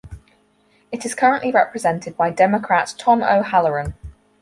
It is currently represented by Democrat Tom O'Halleran.